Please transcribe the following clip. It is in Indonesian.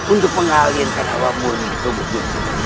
untuk pengalihkan awamu ini putriku